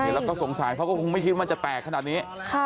เราก็สงสารเขาก็คงไม่คิดว่ามันจะแตกขนาดนี้